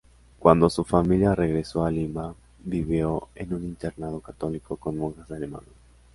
Cuando su familia regresó a Lima, vivió en un internado católico con monjas alemanas.